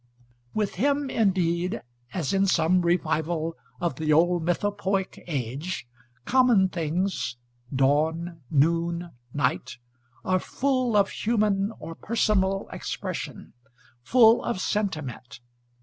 With him indeed, as in some revival of the old mythopoeic age, common things dawn, noon, night are full of human or personal expression, full of sentiment.